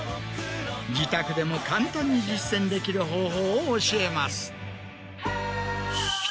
自宅でも簡単に実践できる方法を教えます。